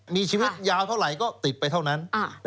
มีชีวิตยาวเท่าไหร่ก็ติดไปเท่านั้น